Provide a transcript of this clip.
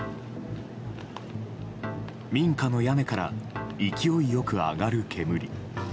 民家の屋根から勢い良く上がる煙。